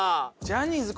ジャニーズ